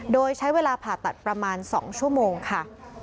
โดยใช้เวลาผ่าตัดประมาณ๒ชั่วโมงค่ะ